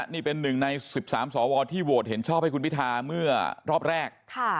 นี่เป็นหนึ่งใน๑๓สวที่โหวตเห็นชอบให้คุณพิทาเมื่อรอบแรก